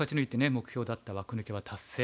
目標だった枠抜けは達成。